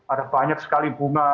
ada banyak sekali bunga